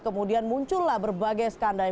kemudian muncullah berbagai skandal